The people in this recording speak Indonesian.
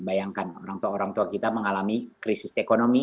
bayangkan orang tua orang tua kita mengalami krisis ekonomi